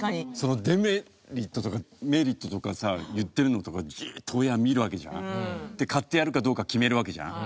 デメリットとかメリットとかさ言ってるのとかじっと親は見るわけじゃん。で買ってやるかどうか決めるわけじゃん。